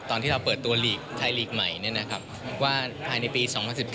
ตอนที่เราเปิดตัวทายลีกใหม่เนี่ยนะครับว่าภายในปี๒๐๑๙